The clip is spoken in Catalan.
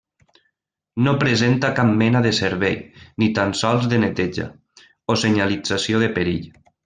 No presenta cap mena de servei, ni tan sols de neteja, o senyalització de perill.